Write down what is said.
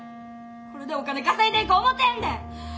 これでお金稼いでいこう思てんねん！